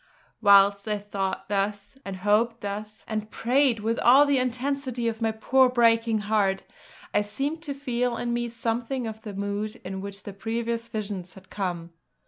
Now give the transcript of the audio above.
Whilst I thought thus, and hoped thus, and prayed with all the intensity of my poor breaking heart, I seemed to feel in me something of the mood in which the previous visions had come.